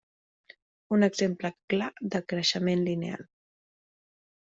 Un exemple clar de creixement lineal.